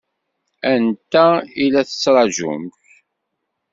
Anta i la tettṛaǧumt?